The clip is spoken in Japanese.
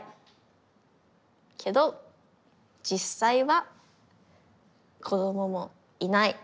けど実際は子どももいない！